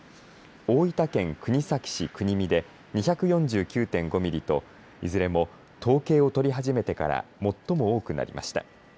大分県国東市国見で２４９．５ミリといずれも統計を取り始めてから最も多くなりました。